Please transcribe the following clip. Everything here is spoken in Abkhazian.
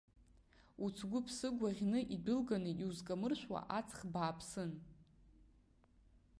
Уцгәы-ԥсы гәаӷьны идәылганы иузкамыршәуа аҵх бааԥсын.